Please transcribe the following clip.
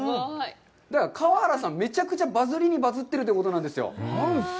だから、川原さん、めちゃくちゃバズりにバズっているということなんですよ。